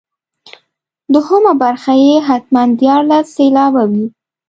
دوهمه برخه یې حتما دیارلس سېلابه وي.